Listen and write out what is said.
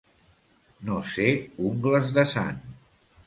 No ser ungles de sant.